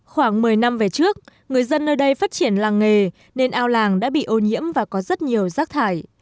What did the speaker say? khoảng một mươi năm về trước người dân nơi đây phát triển làng nghề nên ao làng đã bị ô nhiễm và có rất nhiều rác thải